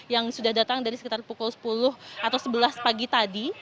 yang sudah datang dari sekitar pukul sepuluh atau sebelas pagi tadi